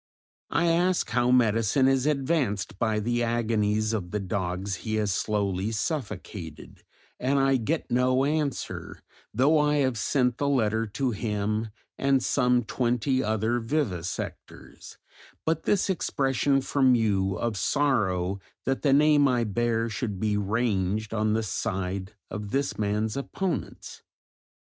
I ask how medicine is advanced by the agonies of the dogs he has slowly suffocated, and I get no answer (though I have sent the letter to him and some twenty other vivisectors) but this expression from you of sorrow that the name I bear should be ranged on the side of this man's opponents.